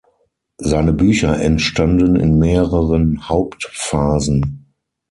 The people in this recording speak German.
Seine Bücher entstanden in mehreren Hauptphasen.